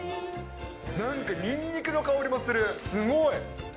なんかニンニクの香りもする。